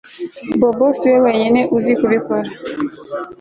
Bobo siwe wenyine uzi kubikora